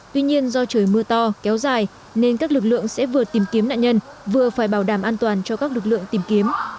tuy nhiên do trời mưa to kéo dài nên các lực lượng sẽ vừa tìm kiếm nạn nhân vừa phải bảo đảm an toàn cho các lực lượng tìm kiếm